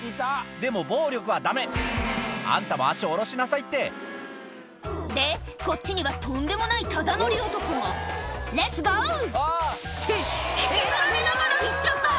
でも暴力はダメあんたも足下ろしなさいってでこっちにはとんでもないタダ乗り男が「レッツゴー！」って引きずられながら行っちゃった！